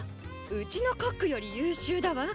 うちのコックより優秀だわ。